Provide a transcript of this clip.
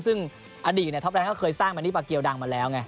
ซึ่งอดีตท็อปแรงก็เคยสร้างมานี่ปากเกียวดังมาแล้วไง